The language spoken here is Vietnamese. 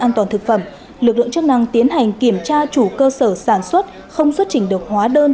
an toàn thực phẩm lực lượng chức năng tiến hành kiểm tra chủ cơ sở sản xuất không xuất trình được hóa đơn